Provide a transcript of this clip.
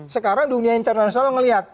sekarang dunia internasional melihat